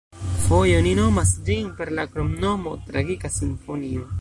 Foje oni nomas ĝin per la kromnomo „tragika simfonio“.